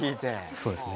そうですね。